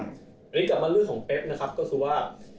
อันนี้กลับมาเรื่องของเป๊กนะครับก็คือว่า